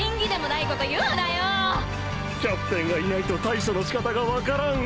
キャプテンがいないと対処の仕方が分からん。